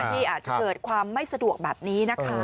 ที่อาจจะเกิดความไม่สะดวกแบบนี้นะคะ